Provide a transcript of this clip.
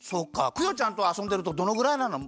クヨちゃんとあそんでるとどのぐらいなの？